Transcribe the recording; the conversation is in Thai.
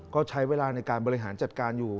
ก็ใช้เวลาในการบริหารจัดการอยู่